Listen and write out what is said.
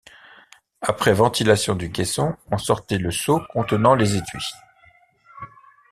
Après ventilation du caisson, on sortait le seau contenant les étuis.